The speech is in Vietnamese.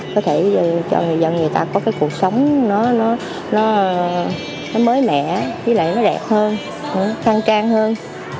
có thể cho người dân người ta có cái cuộc sống nó mới mẻ với lại nó đẹp hơn nó khang trang hơn